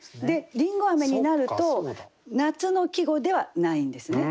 「りんごあめ」になると夏の季語ではないんですね。